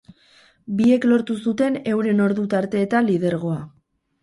Biek lortu zuten euren ordu tarteetan lidergoa.